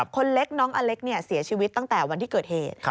คนเล็กน้องอเล็กเสียชีวิตตั้งแต่วันที่เกิดเหตุ